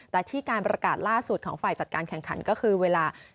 แต่ที่การประกาศล่าสุดของฝ่ายจัดการแข่งขันก็คือเวลา